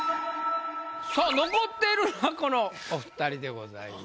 さあ残っているのはこのお２人でございます。